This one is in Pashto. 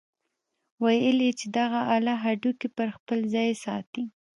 ويل يې چې دغه اله هډوکي پر خپل ځاى ساتي.